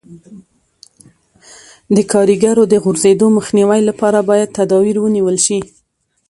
د کاریګرو د غورځېدو مخنیوي لپاره باید تدابیر ونیول شي.